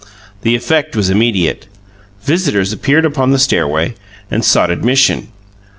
The effect was immediate. Visitors appeared upon the stairway and sought admission.